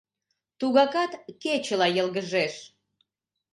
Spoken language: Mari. — Тугакат кечыла йылгыжеш...